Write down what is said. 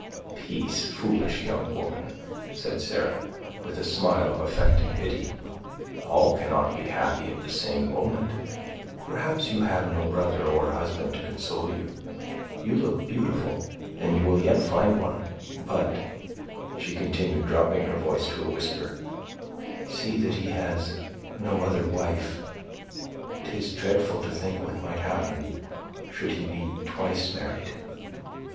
"Peace, foolish young woman," said Sarah, with a smile of affected pity; "all cannot be happy at the same moment; perhaps you have no brother, or husband, to console you. You look beautiful, and you will yet find one; but," she continued, dropping her voice to a whisper, "see that he has no other wife—'tis dreadful to think what might happen, should he be twice married."